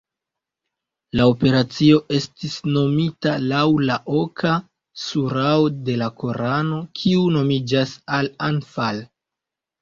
La operacio estis nomita laŭ la oka surao de la korano, kiu nomiĝas "Al-Anfal".